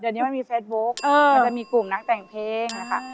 กี่นิดนึงไม่มีเฟสเบาส์คุณจะรู้มีให้คุณแกะเพลง